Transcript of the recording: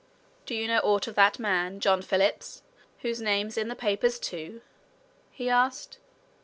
"Do you know aught of that man, John Phillips, whose name's in the papers too?" he asked.